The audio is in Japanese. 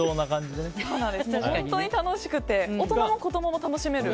本当に楽しくて大人も子供も楽しめる。